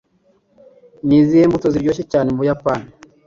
Ni izihe mbuto ziryoshye cyane mu Buyapani?